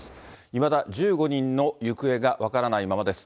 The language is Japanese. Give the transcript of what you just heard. いまだ１５人の行方が分からないままです。